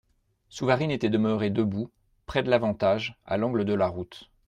Souvarine était demeuré debout, près de l'Avantage, à l'angle de la route.